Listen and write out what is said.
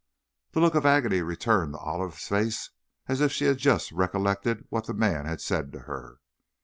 The look of agony returned to Olive's face, as if she had just recollected what the man had said to her.